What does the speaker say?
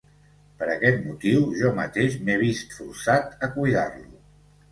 Per aquest motiu, jo mateix m'he vist forçat a cuidar-lo.